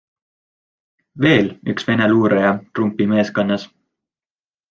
Veel üks Vene luuraja Trumpi meeskonnas?